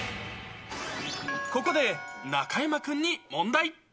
ここで中山君に問題。